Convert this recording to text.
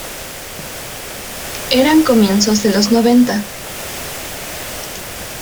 Eran comienzos de los noventa.